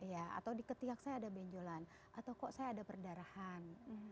ya atau di ketiak saya ada benjolan atau kok saya ada perdarahan